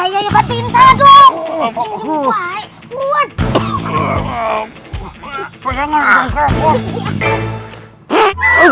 iya iya bantuin salah dong